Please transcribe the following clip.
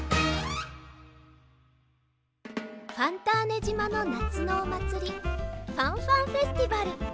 ファンターネじまのなつのおまつりファンファンフェスティバル。